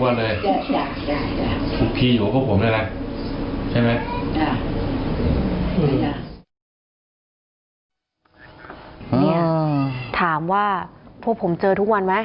นี่ถามว่าพวกผมเจอทุกวันมั้ย